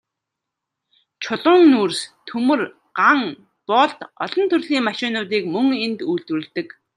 Чулуун нүүрс, төмөр, ган болд, олон төрлийн машинуудыг мөн энд үйлдвэрлэдэг.